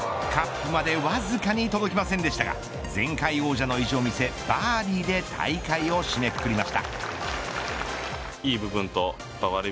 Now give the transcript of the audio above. カップまで、わずかに届きませんでしたが前回王者の意地を見せバーディーで大会を締めくくりました。